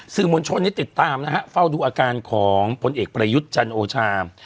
มวลชนนี้ติดตามนะฮะเฝ้าดูอาการของผลเอกประยุทธ์จันโอชา